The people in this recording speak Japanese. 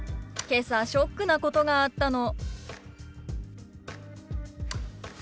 「けさショックなことがあったの」。